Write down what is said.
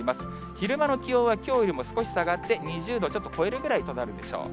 昼間の気温は、きょうよりも少し下がって、２０度ちょっと超えるくらいとなるでしょう。